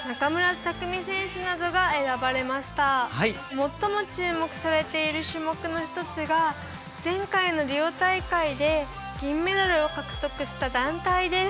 最も注目されている種目の一つが前回のリオ大会で銀メダルを獲得した団体です。